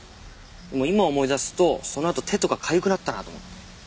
でも今思い出すとそのあと手とかかゆくなったなと思って。